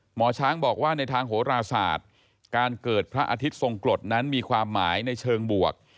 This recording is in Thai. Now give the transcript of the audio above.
หมอช้างบอกว่าในทางโหราศาสตร์การเกิดพระอาทิตย์ทรงกฎนั้นมีความหมายในเชิงบวก